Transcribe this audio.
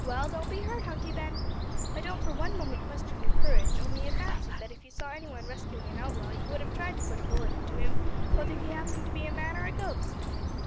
"Well, don't be hurt, Hunky Ben, I don't for one moment question your courage, only I fancied that if you saw any one rescuing an outlaw you would have tried to put a bullet into him whether he happened to be a man or a ghost."